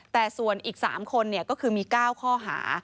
แต่ส่วนอีก๓คนก็คือมี๙ข้อหา